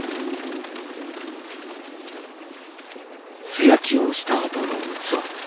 素焼きをしたあとの器。